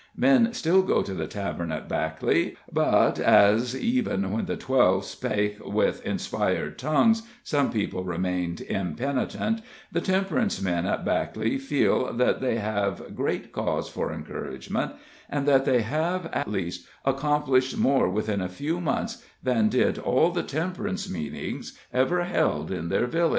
Men still go to the tavern at Backley, but as, even when the twelve spake with inspired tongues, some people remained impenitent, the temperance men at Backley feel that they have great cause for encouragement, and that they have, at least, accomplished more within a few months than did all the temperance meetings ever held in their village.